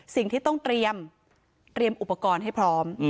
สิ่งที่ต้องเตรียมเตรียมอุปกรณ์ให้พร้อม